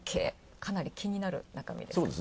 かなり気になる中身です。